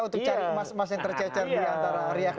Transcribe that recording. untuk cari emas emas yang tercecar